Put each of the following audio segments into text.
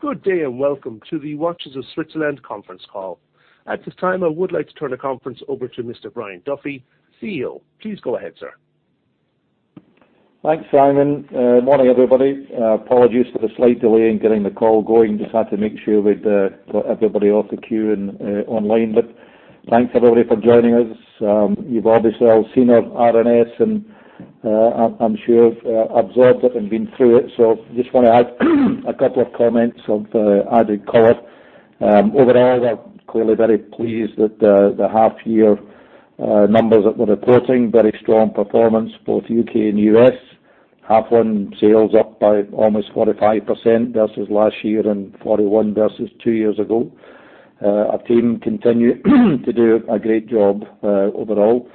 Good day, and welcome to the Watches of Switzerland conference call. At this time, I would like to turn the conference over to Mr. Brian Duffy, CEO. Please go ahead, sir. Thanks, Simon. Morning, everybody. Apologies for the slight delay in getting the call going. Just had to make sure we'd got everybody off the queue and online. Thanks, everybody, for joining us. You've obviously all seen our RNS, and I'm sure have absorbed it and been through it, so just wanna add a couple of comments of added color. Overall, we're clearly very pleased with the half year numbers that we're reporting. Very strong performance, both U.K. and U.S. Half one sales up by almost 45% versus last year, and 41% versus two years ago. Our team continue to do a great job overall.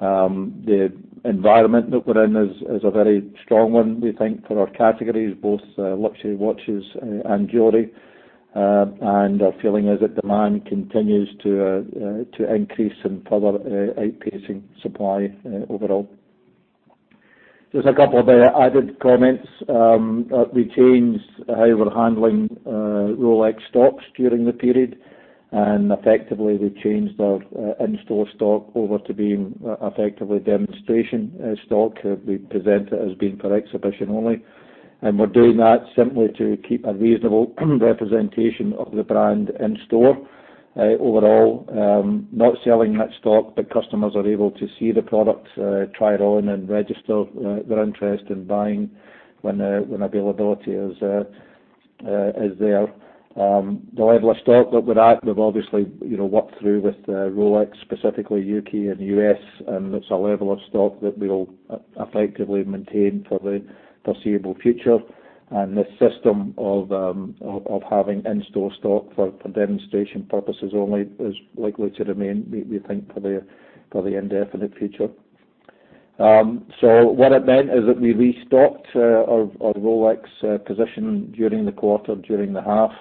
The environment that we're in is a very strong one, we think, for our categories, both luxury watches and jewelry. Our feeling is that demand continues to increase and further outpacing supply overall. Just a couple of added comments. We changed how we're handling Rolex stocks during the period, and effectively we've changed our in-store stock over to being effectively demonstration stock. We present it as being for exhibition only. We're doing that simply to keep a reasonable representation of the brand in store. Overall, not selling much stock, but customers are able to see the product, try it on and register their interest in buying when availability is there. The level of stock that we're at, we've obviously you know worked through with Rolex, specifically U.K. and U.S. That's a level of stock that we'll effectively maintain for the foreseeable future. This system of having in-store stock for demonstration purposes only is likely to remain, we think, for the indefinite future. What it meant is that we restocked our Rolex position during the quarter, during the half.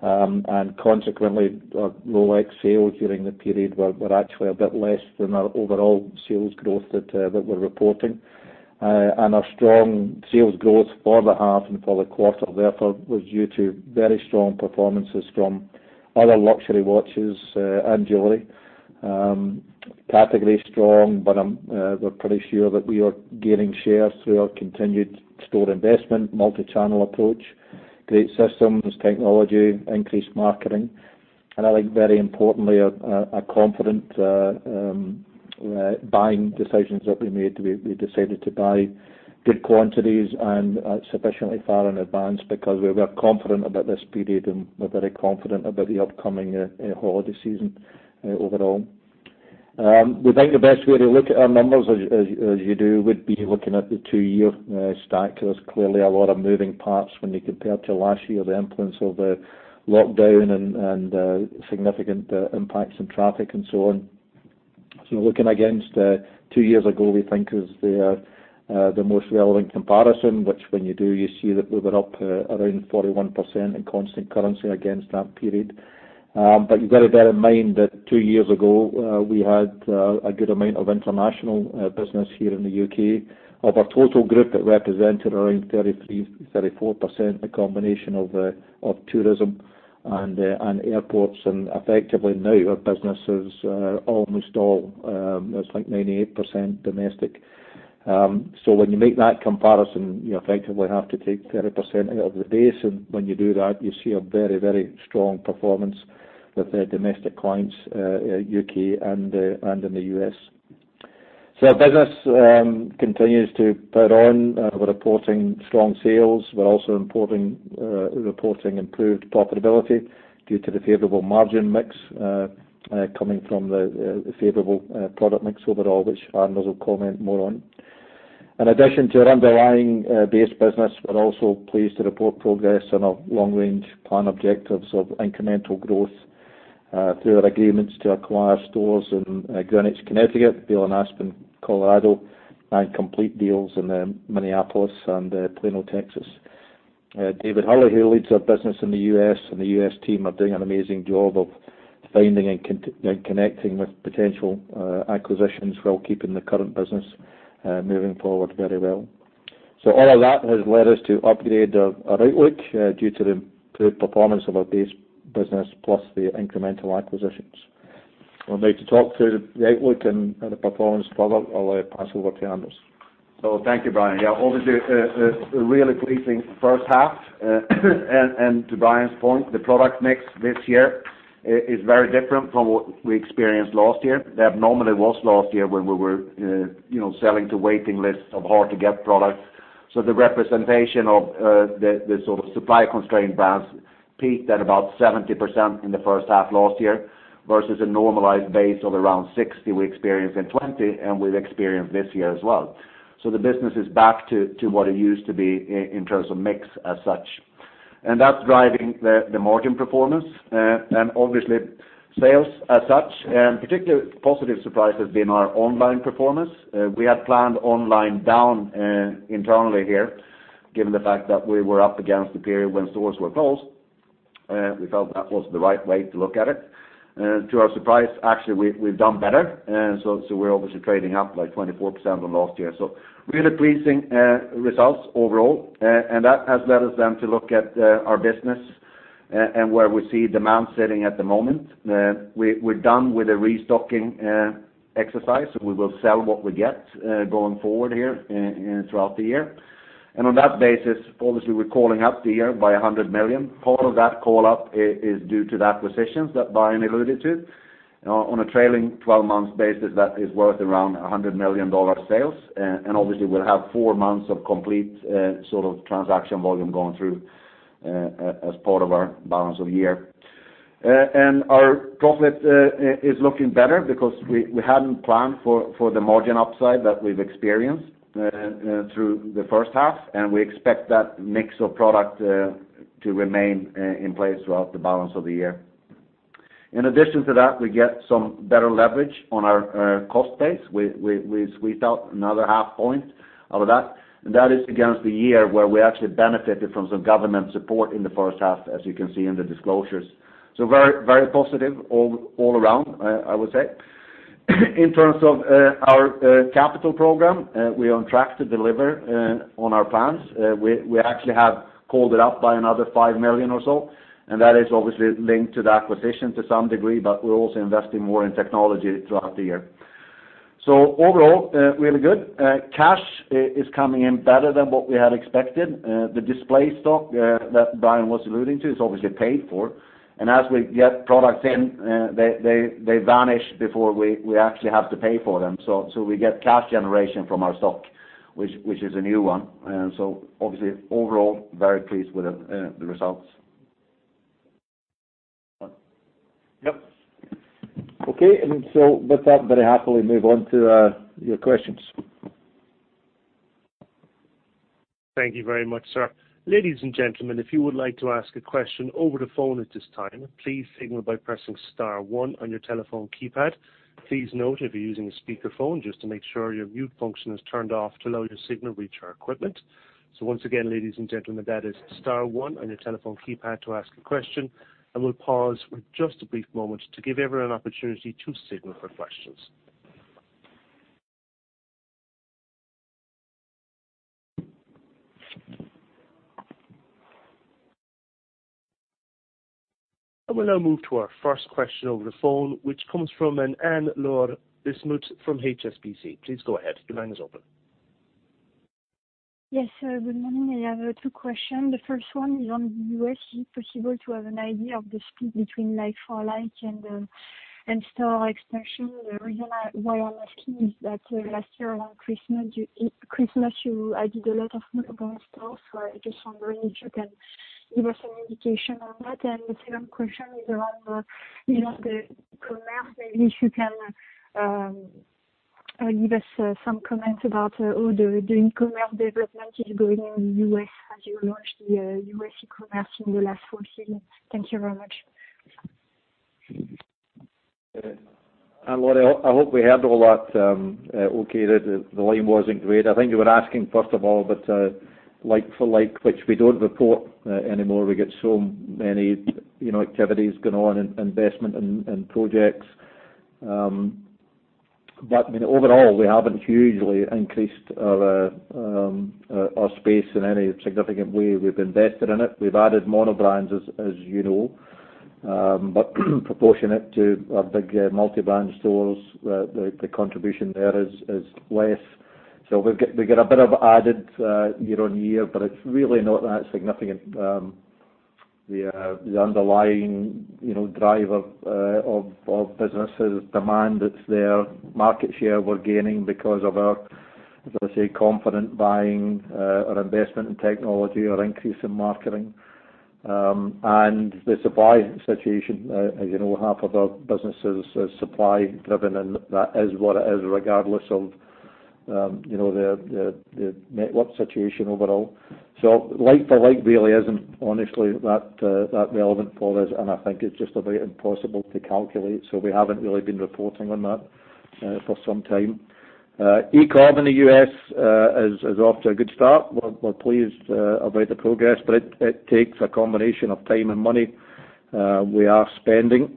Consequently, our Rolex sales during the period were actually a bit less than our overall sales growth that we're reporting. Our strong sales growth for the half and for the quarter therefore was due to very strong performances from other luxury watches and jewelry category strong, but we're pretty sure that we are gaining shares through our continued store investment, multi-channel approach, great systems, technology, increased marketing, and I think very importantly, a confident buying decisions that we made. We decided to buy good quantities and sufficiently far in advance because we were confident about this period, and we're very confident about the upcoming holiday season overall. We think the best way to look at our numbers as you do would be looking at the two-year stack. There's clearly a lot of moving parts when you compare to last year, the influence of the lockdown and significant impacts in traffic and so on. Looking against two years ago, we think is the most relevant comparison, which when you do, you see that we were up around 41% in constant currency against that period. But you've gotta bear in mind that two years ago we had a good amount of international business here in the U.K. Of our total group, it represented around 33%-34%, a combination of tourism and airports. Effectively now, our business is almost all, it's like 98% domestic. When you make that comparison, you effectively have to take 30% out of the base. When you do that, you see a very, very strong performance with the domestic clients, U.K. and in the U.S. Our business continues to put on. We're reporting strong sales. We're also reporting improved profitability due to the favorable margin mix, coming from the favorable product mix overall, which Anders will comment more on. In addition to our underlying base business, we're also pleased to report progress on our long range plan objectives of incremental growth through our agreements to acquire stores in Greenwich, Connecticut, Vail and Aspen, Colorado, and complete deals in Minneapolis and Plano, Texas. David Hurley, who leads our business in the U.S., and the U.S. team are doing an amazing job of finding and connecting with potential acquisitions while keeping the current business moving forward very well. All of that has led us to upgrade our outlook due to the improved performance of our base business, plus the incremental acquisitions. I'd like to talk through the outlook and the performance further. I'll pass over to Anders. Thank you, Brian. Yeah, obviously a really pleasing first half. To Brian's point, the product mix this year is very different from what we experienced last year. The anomaly was last year when we were you know selling to waiting lists of hard to get products. The representation of the sort of supply-constrained brands peaked at about 70% in the first half last year versus a normalized base of around 60 we experienced in 2020 and we've experienced this year as well. The business is back to what it used to be in terms of mix as such. That's driving the margin performance. Obviously sales as such. Particularly positive surprise has been our online performance. We had planned online down, internally here, given the fact that we were up against the period when stores were closed. We felt that was the right way to look at it. To our surprise, actually, we've done better. We're obviously trading up by 24% from last year. Really pleasing results overall. That has led us then to look at our business and where we see demand sitting at the moment. We're done with the restocking exercise, so we will sell what we get going forward here and throughout the year. On that basis, obviously, we're calling up the year by 100 million. Part of that call up is due to the acquisitions that Brian alluded to. On a trailing twelve months basis, that is worth around $100 million sales. Obviously, we'll have four months of complete sort of transaction volume going through as part of our balance of the year. Our profit is looking better because we hadn't planned for the margin upside that we've experienced through the first half, and we expect that mix of product to remain in place throughout the balance of the year. In addition to that, we get some better leverage on our cost base. We squeezed out another half point out of that, and that is against the year where we actually benefited from some government support in the first half, as you can see in the disclosures. Very positive all around, I would say. In terms of our capital program, we are on track to deliver on our plans. We actually have called it up by another 5 million or so, and that is obviously linked to the acquisition to some degree, but we're also investing more in technology throughout the year. Overall, really good. Cash is coming in better than what we had expected. The display stock that Brian was alluding to is obviously paid for. As we get products in, they vanish before we actually have to pay for them. We get cash generation from our stock, which is a new one. Obviously overall, very pleased with the results. Yep. Okay. With that, very happily move on to your questions. Thank you very much, sir. Ladies and gentlemen, if you would like to ask a question over the phone at this time, please signal by pressing star one on your telephone keypad. Please note, if you're using a speaker phone, just to make sure your mute function is turned off to allow your signal to reach our equipment. Once again, ladies and gentlemen, that is star one on your telephone keypad to ask a question, and we'll pause for just a brief moment to give everyone an opportunity to signal for questions. I will now move to our first question over the phone, which comes from Anne-Laure Bismuth from HSBC. Please go ahead. Your line is open. Yes, good morning. I have two questions. The first one is on the U.S. Is it possible to have an idea of the split between like-for-like and store expansion? The reason why I'm asking is that last year around Christmas you added a lot of mono-brand stores. So I'm just wondering if you can give us some indication on that. The second question is around, you know, the commerce. Maybe if you can give us some comments about how the e-commerce development is going in the U.S. as you launch the U.S. e-commerce in the last four seasons. Thank you very much. Anne-Laure, I hope we had all that, okay. The line wasn't great. I think you were asking, first of all, about like-for-like, which we don't report anymore. We get so many, you know, activities going on and investment in projects. I mean, overall, we haven't hugely increased our space in any significant way. We've invested in it. We've added mono-brand as you know. Proportionate to our big multi-brand stores, the contribution there is less. We get a bit of added year-on-year, but it's really not that significant. The underlying, you know, driver of business demand is there. Market share we're gaining because of our, as I say, confident buying, our investment in technology, our increase in marketing. The supply situation, as you know, half of our businesses is supply driven, and that is what it is, regardless of, you know, the network situation overall. Like-for-like really isn't honestly that relevant for us, and I think it's just about impossible to calculate, so we haven't really been reporting on that for some time. E-comm in the U.S. is off to a good start. We're pleased about the progress, but it takes a combination of time and money. We are spending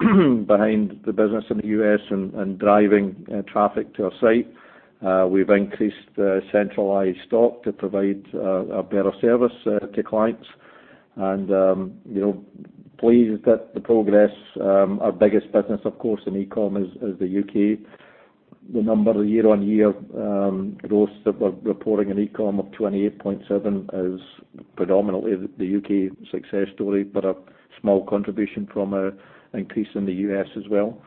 behind the business in the U.S. and driving traffic to our site. We've increased the centralized stock to provide a better service to clients. You know, pleased that the progress, our biggest business, of course in e-comm is the U.K. The number, year-on-year, growth that we're reporting in e-comm of 28.7% is predominantly the U.K. success story, but a small contribution from increase in the U.S. as well.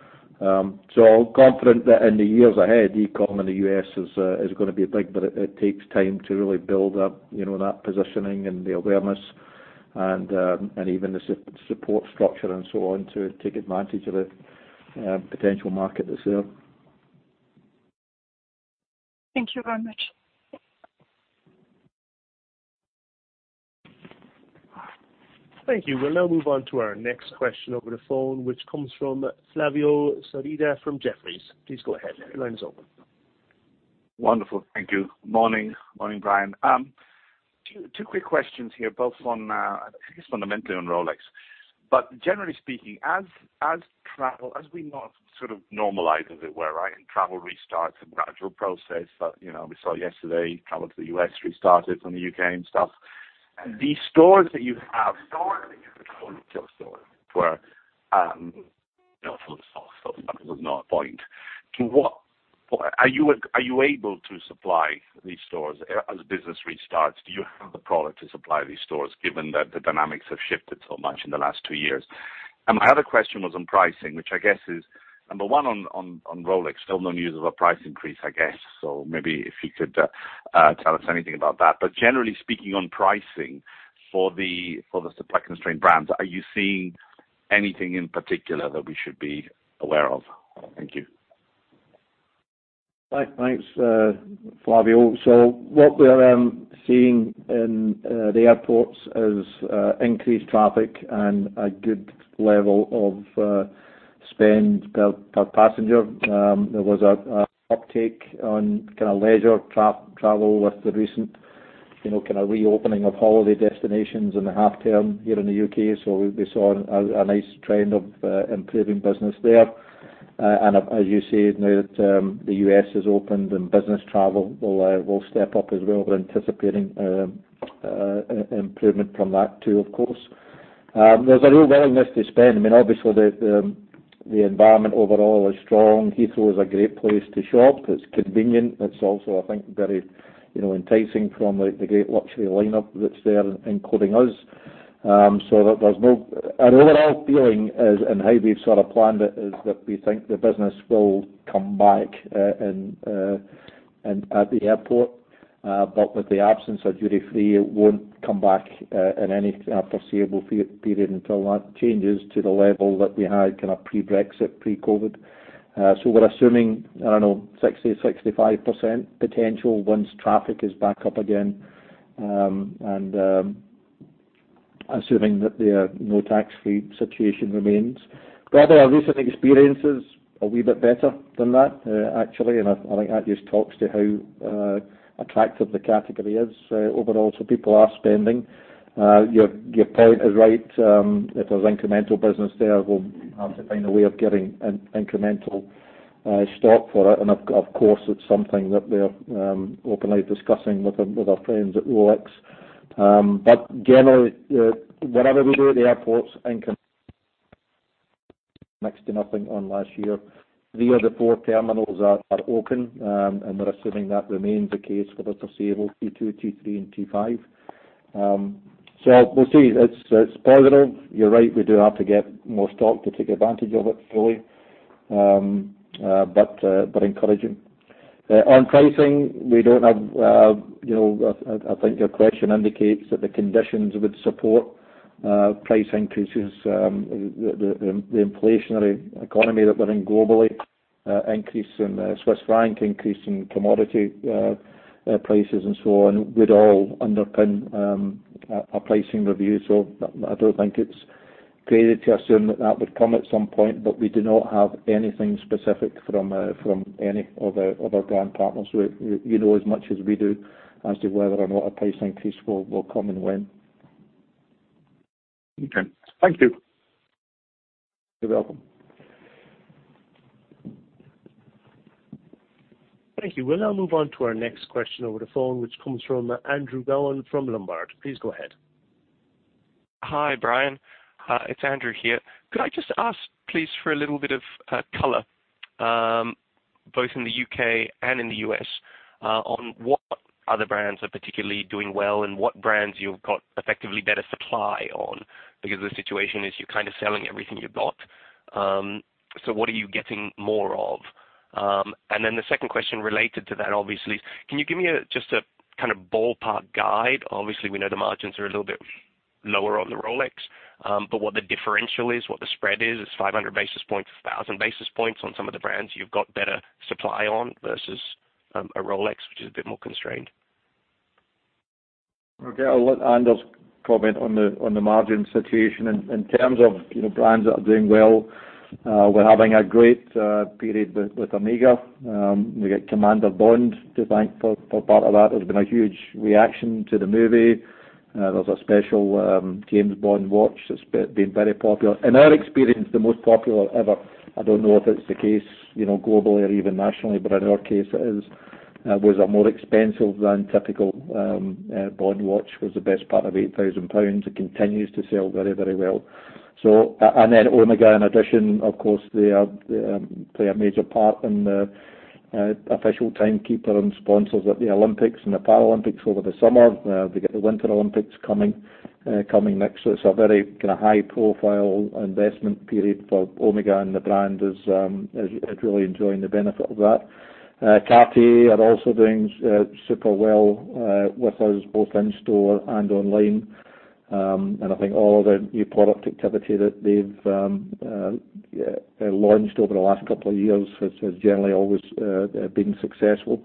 Confident that in the years ahead, e-comm in the U.S. is gonna be big, but it takes time to really build up, you know, that positioning and the awareness and even the support structure and so on to take advantage of the potential market that's there. Thank you very much. Thank you. We'll now move on to our next question over the phone, which comes from Flavio Cereda from Jefferies. Please go ahead. Your line is open. Wonderful. Thank you. Morning. Morning, Brian. Two quick questions here, both on, I guess, fundamentally on Rolex, but generally speaking, as travel, as we now sort of normalize, as it were, right, and travel restarts, a gradual process that, you know, we saw yesterday travel to the U.S. restarted from the U.K. and stuff. The stores that you have where, you know, to what extent are you able to supply these stores as business restarts? Do you have the product to supply these stores given that the dynamics have shifted so much in the last two years? My other question was on pricing, which I guess is number one on Rolex, still no news of a price increase, I guess. Maybe if you could tell us anything about that. Generally speaking, on pricing for the supply constraint brands, are you seeing anything in particular that we should be aware of? Thank you. Thanks, Flavio. What we're seeing in the airports is increased traffic and a good level of spend per passenger. There was an uptake on kind of leisure travel with the recent, you know, kind of reopening of holiday destinations in the half term here in the U.K. We saw a nice trend of improving business there. And as you said, now that the U.S. has opened and business travel will step up as well, we're anticipating improvement from that too, of course. There's a real willingness to spend. I mean, obviously the environment overall is strong. Heathrow is a great place to shop. It's convenient. It's also, I think, very, you know, enticing from the great luxury lineup that's there, including us. Our overall feeling is, and how we've sort of planned it, is that we think the business will come back in at the airport. With the absence of duty free, it won't come back in any foreseeable period until that changes to the level that we had kind of pre-Brexit, pre-COVID. We're assuming, I don't know, 60%-65% potential once traffic is back up again, and assuming that the no duty-free situation remains. Our recent experiences are a wee bit better than that, actually. I think that just talks to how attractive the category is overall. People are spending. Your point is right. If there's incremental business there, we'll have to find a way of getting incremental stock for it. Of course, it's something that we're openly discussing with our friends at Rolex. Generally, whatever we do at the airports' income next to nothing on last year. Three of the four terminals are open, and we're assuming that remains the case for the foreseeable future. T2, T3, and T5. We'll see. It's positive. You're right, we do have to get more stock to take advantage of it fully, but encouraging. On pricing, we don't have you know, I think your question indicates that the conditions would support price increases. The inflationary economy that we're in globally, increase in Swiss franc, increase in commodity prices and so on, would all underpin a pricing review. I don't think it's crazy to assume that that would come at some point, but we do not have anything specific from any of our brand partners. You know as much as we do as to whether or not a price increase will come and when. Okay. Thank you. You're welcome. Thank you. We'll now move on to our next question over the phone, which comes from Andrew Gowen from Lombard. Please go ahead. Hi, Brian. It's Andrew here. Could I just ask, please, for a little bit of color both in the U.K. and in the U.S., on what other brands are particularly doing well and what brands you've got effectively better supply on? Because the situation is you're kind of selling everything you've got. So what are you getting more of? The second question related to that obviously, can you give me just a kind of ballpark guide? Obviously, we know the margins are a little bit lower on the Rolex, but what the differential is, what the spread is 500 basis points, 1,000 basis points on some of the brands you've got better supply on versus a Rolex, which is a bit more constrained. Okay. I'll let Anders comment on the margin situation. In terms of, you know, brands that are doing well, we're having a great period with Omega. We get Commander Bond to thank for part of that. There's been a huge reaction to the movie. There's a special James Bond watch that's been very popular. In our experience, the most popular ever. I don't know if it's the case, you know, globally or even nationally, but in our case it is. It was more expensive than typical Bond watch. It was the best part of 8,000 pounds. It continues to sell very, very well. And then Omega in addition, of course, they play a major part in the official timekeeper and sponsors at the Olympics and the Paralympics over the summer. They get the Winter Olympics coming next. It's a very kind of high profile investment period for Omega, and the brand is really enjoying the benefit of that. Cartier are also doing super well with us both in store and online. I think all of the new product activity that they've launched over the last couple of years has generally always been successful.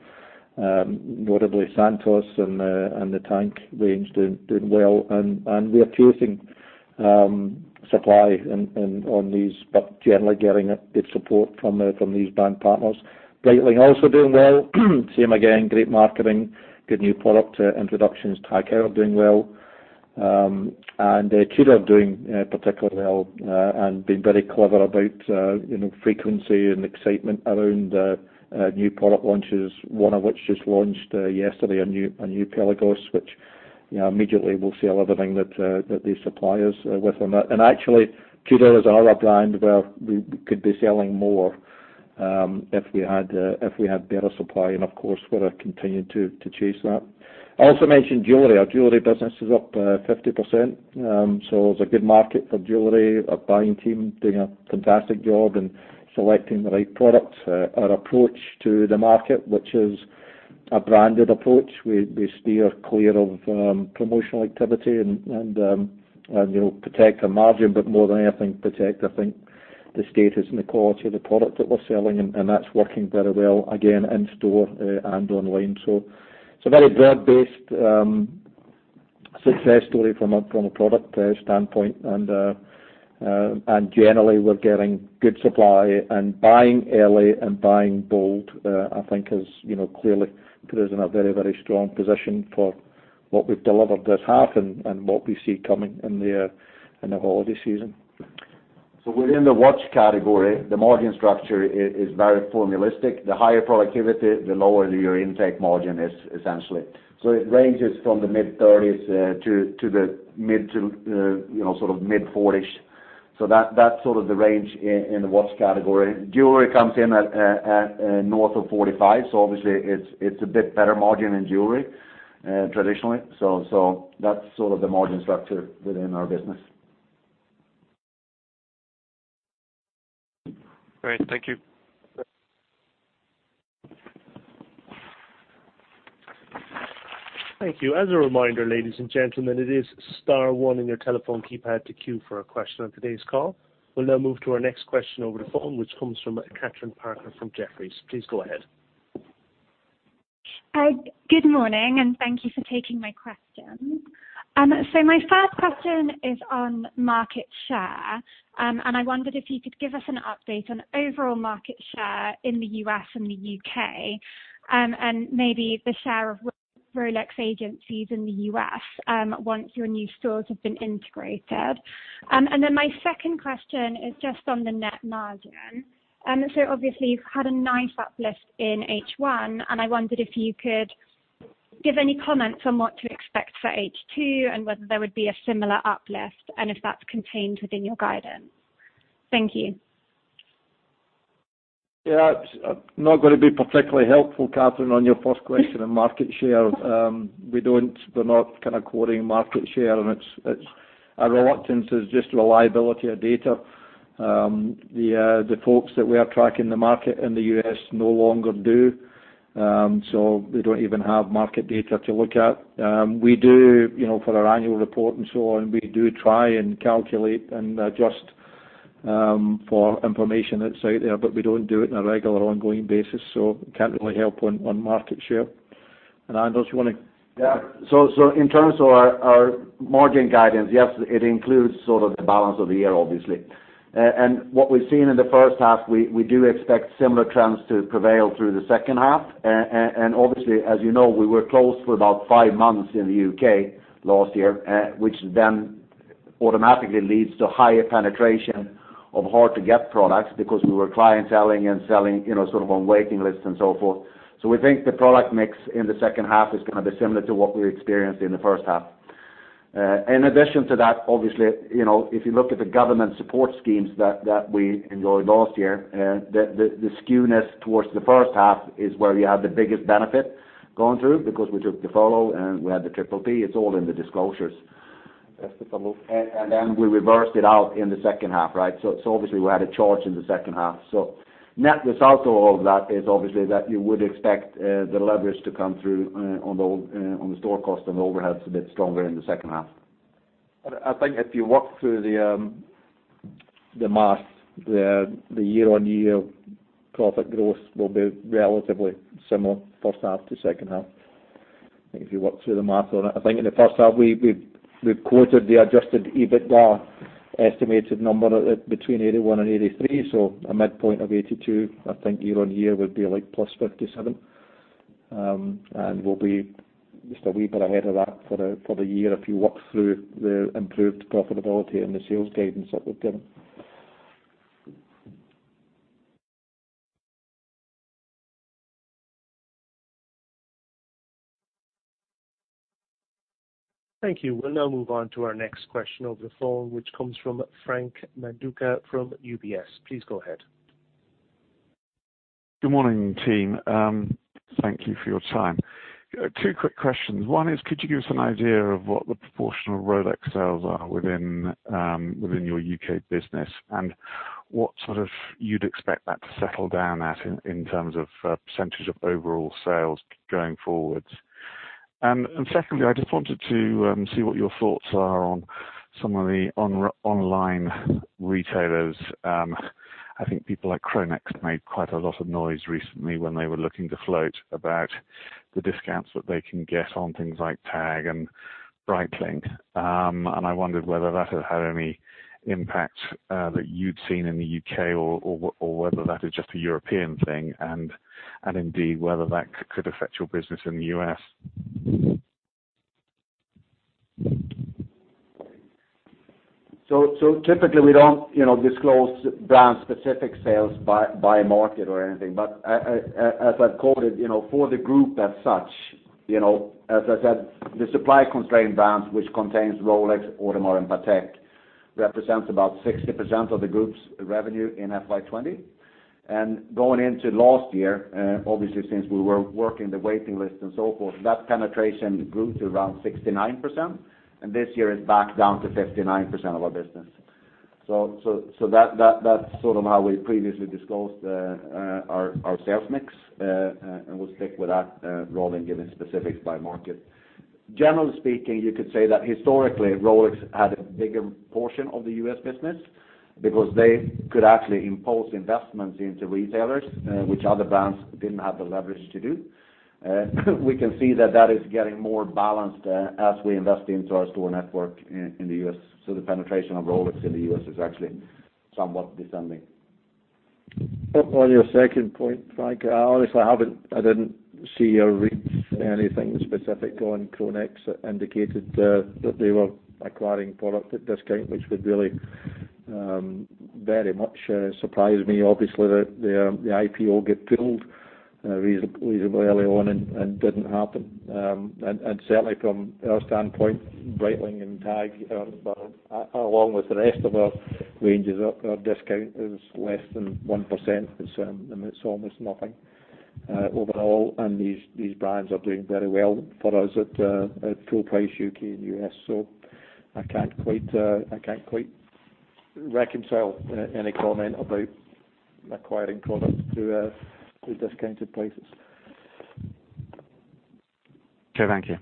Notably Santos and the Tank range doing well. We are chasing supply on these, but generally getting good support from these brand partners. Breitling also doing well. Same again, great marketing, good new product introductions. TAG Heuer doing well. Tudor doing particularly well and being very clever about you know frequency and excitement around new product launches. One of which just launched yesterday, a new Pelagos, which you know immediately will sell everything that they supply us with. Actually, Tudor is our brand where we could be selling more if we had better supply and of course we're continuing to chase that. I also mentioned jewelry. Our jewelry business is up 50%. It's a good market for jewelry, our buying team doing a fantastic job in selecting the right product. Our approach to the market, which is a branded approach, we steer clear of promotional activity and you know, protect our margin, but more than anything, protect, I think, the status and the quality of the product that we're selling, and that's working very well, again, in store and online. It's a very brand-based success story from a product standpoint. Generally, we're getting good supply, and buying early and buying bold, I think has you know, clearly put us in a very, very strong position for what we've delivered this half and what we see coming in the holiday season. Within the watch category, the margin structure is very formulaic. The higher productivity, the lower your intake margin is essentially. It ranges from the mid-30s to mid-40s. That's sort of the range in the watch category. Jewelry comes in at north of 45%, so obviously it's a bit better margin in jewelry traditionally. That's sort of the margin structure within our business. Great. Thank you. Thank you. As a reminder, ladies and gentlemen, it is star one in your telephone keypad to queue for a question on today's call. We'll now move to our next question over the phone, which comes from Kathryn Parker from Jefferies. Please go ahead. Hi. Good morning, and thank you for taking my questions. My first question is on market share. I wondered if you could give us an update on overall market share in the U.S. and the U.K., and maybe the share of Rolex agencies in the U.S., once your new stores have been integrated. My second question is just on the net margin. Obviously you've had a nice uplift in H1, and I wondered if you could give any comments on what to expect for H2 and whether there would be a similar uplift and if that's contained within your guidance. Thank you. Yeah. I'm not gonna be particularly helpful, Kathryn, on your first question on market share. We're not kind of quoting market share, and it's our reluctance is just reliability of data. The folks that we are tracking the market in the U.S. no longer do, so we don't even have market data to look at. You know, for our annual report and so on, we do try and calculate and adjust for information that's out there, but we don't do it on a regular ongoing basis, so can't really help on market share. Anders, you wanna- Yeah. In terms of our margin guidance, yes, it includes sort of the balance of the year, obviously. What we've seen in the first half, we do expect similar trends to prevail through the second half. Obviously, as you know, we were closed for about five months in the U.K. last year, which then automatically leads to higher penetration of hard-to-get products because we were clienteling and selling, you know, sort of on waiting lists and so forth. We think the product mix in the second half is gonna be similar to what we experienced in the first half. In addition to that, obviously, you know, if you look at the government support schemes that we enjoyed last year, the skewness towards the first half is where we had the biggest benefit going through because we took the furlough and we had the PPP. It's all in the disclosures. Yes. The follow. We reversed it out in the second half, right? Obviously we had a charge in the second half. Net result of all of that is obviously that you would expect the leverage to come through on the store cost and overheads a bit stronger in the second half. I think if you walk through the math, the year-on-year profit growth will be relatively similar first half to second half, if you walk through the math on it. I think in the first half, we've quoted the adjusted EBITDA estimated number at between 81 and 83, so a midpoint of 82, I think year-on-year would be like +57%. We'll be just a wee bit ahead of that for the year if you walk through the improved profitability and the sales guidance that we've given. Thank you. We'll now move on to our next question over the phone, which comes from Frank Manduca from UBS. Please go ahead. Good morning, team. Thank you for your time. Two quick questions. One is, could you give us an idea of what the proportion of Rolex sales are within your U.K. business, and what, sort of, you'd expect that to settle down at in terms of percentage of overall sales going forwards? Secondly, I just wanted to see what your thoughts are on some of the online retailers. I think people like Chronext made quite a lot of noise recently when they were looking to float about the discounts that they can get on things like TAG and Breitling. I wondered whether that had any impact that you'd seen in the U.K. or whether that is just a European thing and indeed whether that could affect your business in the U.S. Typically we don't, you know, disclose brand-specific sales by market or anything. As I've quoted, you know, for the group as such, you know, as I said, the supply-constrained brands, which contains Rolex, Audemars and Patek, represents about 60% of the group's revenue in FY 2020. Going into last year, obviously since we were working the waiting list and so forth, that penetration grew to around 69%, and this year it's back down to 59% of our business. That's sort of how we previously disclosed our sales mix. We'll stick with that rather than giving specifics by market. Generally speaking, you could say that historically, Rolex had a bigger portion of the U.S. business because they could actually impose investments into retailers, which other brands didn't have the leverage to do. We can see that that is getting more balanced, as we invest into our store network in the U.S. The penetration of Rolex in the U.S. is actually somewhat descending. On your second point, Frank, I honestly didn't see or read anything specific on Chronext that indicated that they were acquiring product at discount, which would really very much surprise me. Obviously, the IPO got pulled reasonably early on and didn't happen. Certainly from our standpoint, Breitling and TAG along with the rest of our ranges, our discount is less than 1%, and so it's almost nothing overall. These brands are doing very well for us at full price, U.K. and U.S. I can't quite reconcile any comment about acquiring product through discounted prices. Okay, thank you.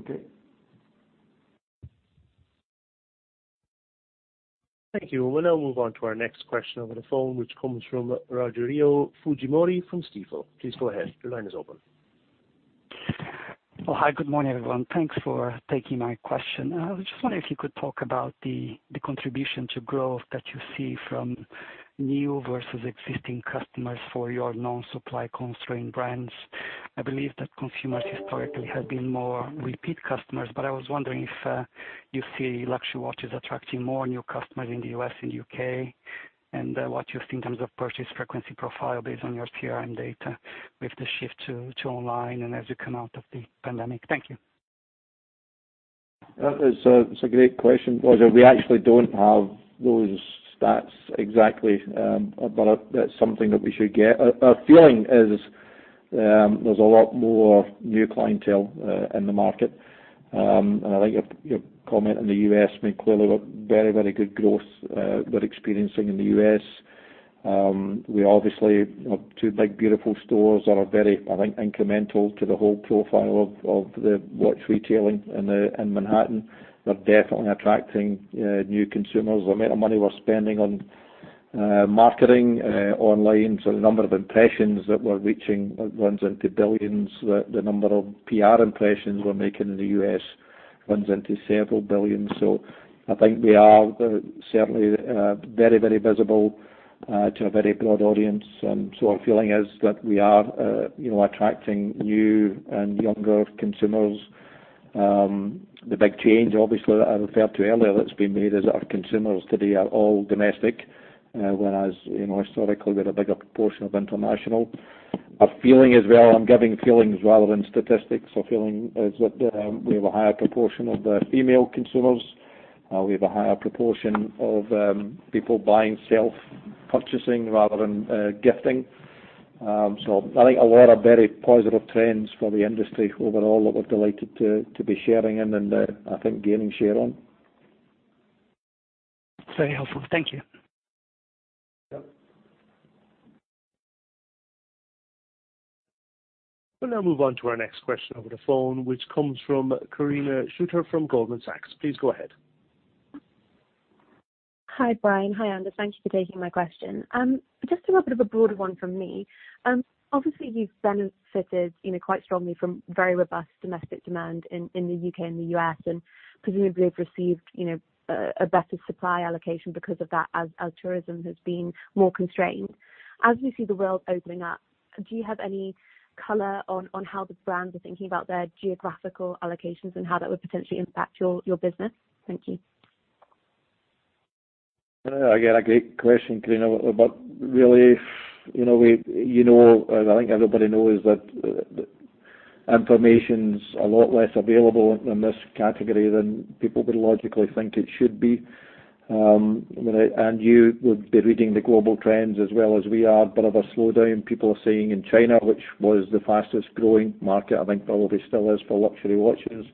Okay. Thank you. We'll now move on to our next question over the phone, which comes from Rogerio Fujimori from Stifel. Please go ahead. Your line is open. Oh, hi. Good morning, everyone. Thanks for taking my question. I was just wondering if you could talk about the contribution to growth that you see from new versus existing customers for your non-supply constrained brands. I believe that consumers historically have been more repeat customers, but I was wondering if you see luxury watches attracting more new customers in the U.S. and U.K., and what you see in terms of purchase frequency profile based on your CRM data with the shift to online and as you come out of the pandemic. Thank you. That is, it's a great question, Roger. We actually don't have those stats exactly, but that's something that we should get. Our feeling is, there's a lot more new clientele in the market. I think your comment in the U.S., I mean, clearly we've very, very good growth, we're experiencing in the U.S. We obviously have two big, beautiful stores that are very, I think, incremental to the whole profile of the watch retailing in Manhattan. They're definitely attracting new consumers. The amount of money we're spending on marketing online. The number of impressions that we're reaching runs into billions. The number of PR impressions we're making in the U.S. runs into several billion. I think we are certainly very, very visible to a very broad audience. Our feeling is that we are, you know, attracting new and younger consumers. The big change, obviously, that I referred to earlier that's been made is our consumers today are all domestic, whereas, you know, historically, we had a bigger proportion of international. Our feeling as well, I'm giving feelings rather than statistics. Our feeling is that, we have a higher proportion of the female consumers. We have a higher proportion of, people buying self purchasing rather than, gifting. I think a lot of very positive trends for the industry overall that we're delighted to be sharing in and, I think, gaining share on. Very helpful. Thank you. Yeah. We'll now move on to our next question over the phone, which comes from Karina Shooter from Goldman Sachs. Please go ahead. Hi, Brian. Hi, Anders. Thank you for taking my question. Just a little bit of a broader one from me. Obviously you've benefited, you know, quite strongly from very robust domestic demand in the U.K. and the U.S., and presumably have received, you know, a better supply allocation because of that as tourism has been more constrained. As we see the world opening up, do you have any color on how the brands are thinking about their geographical allocations and how that would potentially impact your business? Thank you. Again, a great question, Karina. Really, you know, as I think everybody knows, that information's a lot less available in this category than people would logically think it should be. You would be reading the global trends as well as we are. Bit of a slowdown people are seeing in China, which was the fastest growing market, I think probably still is for luxury watches.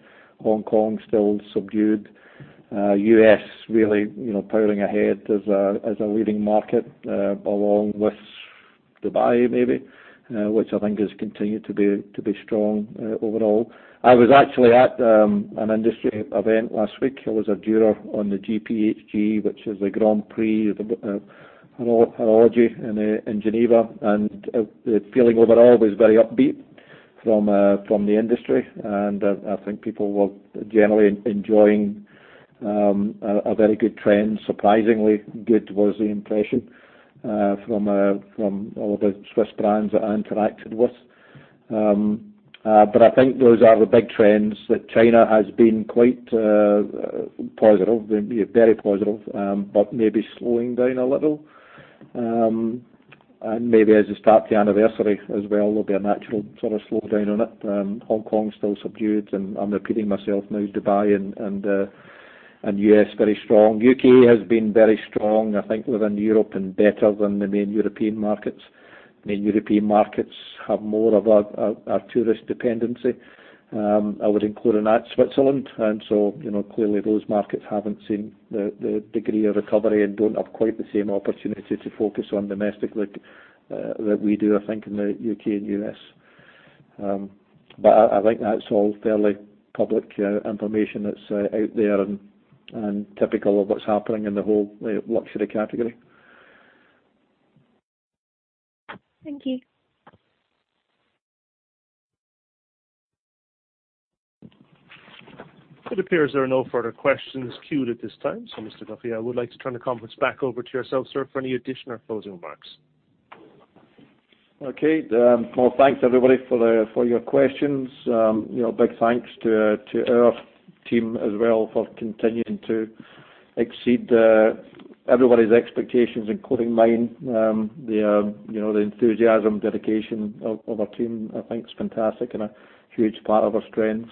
Hong Kong still subdued. U.S. really, you know, powering ahead as a leading market along with Dubai, maybe, which I think has continued to be strong overall. I was actually at an industry event last week. I was a juror on the GPHG, which is the Grand Prix d'Horlogerie de Genève. The feeling overall was very upbeat from the industry. I think people were generally enjoying a very good trend. Surprisingly good was the impression from all of the Swiss brands that I interacted with. I think those are the big trends, that China has been quite positive, very positive, but maybe slowing down a little. Maybe as we start the anniversary as well, there'll be a natural sort of slowdown on it. Hong Kong still subdued, and I'm repeating myself now. Dubai and U.S. very strong. U.K. has been very strong, I think, within Europe and better than the main European markets. The European markets have more of a tourist dependency. I would include in that Switzerland. You know, clearly those markets haven't seen the degree of recovery and don't have quite the same opportunity to focus on domestic locale that we do, I think, in the U.K. and U.S. I think that's all fairly public information that's out there and typical of what's happening in the whole luxury category. Thank you. It appears there are no further questions queued at this time. Mr. Duffy, I would like to turn the conference back over to yourself, sir, for any additional closing remarks. Well, thanks, everybody, for your questions. You know, a big thanks to our team as well for continuing to exceed everybody's expectations, including mine. You know, the enthusiasm, dedication of our team, I think is fantastic and a huge part of our strength.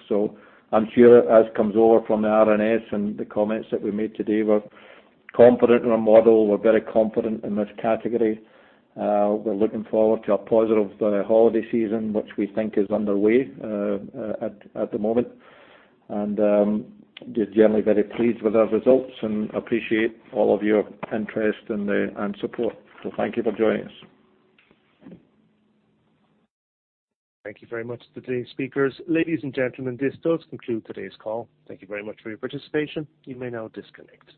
I'm sure as comes over from the RNS and the comments that we made today, we're confident in our model. We're very confident in this category. We're looking forward to a positive holiday season, which we think is underway at the moment. Just generally very pleased with our results and appreciate all of your interest and support. Thank you for joining us. Thank you very much to today's speakers. Ladies and gentlemen, this does conclude today's call. Thank you very much for your participation. You may now disconnect.